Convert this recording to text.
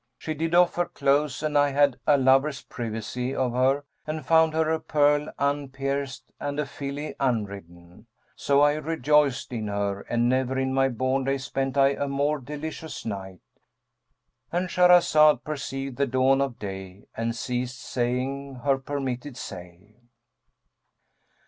She did off her clothes and I had a lover's privacy of her and found her a pearl unpierced and a filly unridden. So I rejoiced in her and never in my born days spent I a more delicious night."—And Shahrazad perceived the dawn of day and ceased saying her permitted say.